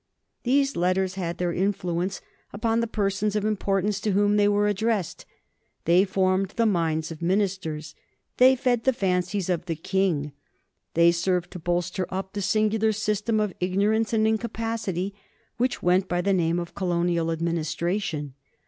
These letters had their influence upon the persons of importance to whom they were addressed. They formed the minds of ministers; they fed the fancies of the King. They served to bolster up the singular system of ignorance and incapacity which went by the name of colonial administration.